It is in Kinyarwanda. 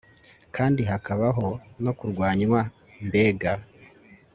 kandi hakabaho no kurwanywa mbega